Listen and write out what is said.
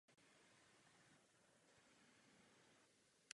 Mimo Bhútán se tento jazyk vyskytuje jen vzácně.